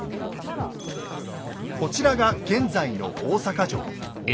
こちらが現在の大阪城。